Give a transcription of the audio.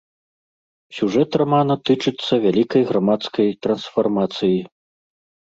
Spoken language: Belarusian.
Сюжэт рамана тычыцца вялікай грамадскай трансфармацыі.